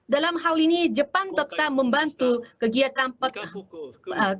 dalam hal ini jepang tetap membantu kegiatan pertahanan